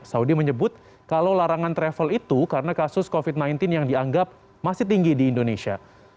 saudi menyebut kalau larangan travel itu karena kasus covid sembilan belas yang dianggap masih tinggi di indonesia